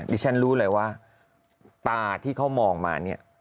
ฉันรู้เลยว่าตาที่เขามองมาเนี่ย